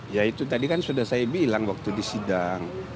ya itu tadi kan sudah saya bilang waktu di sidang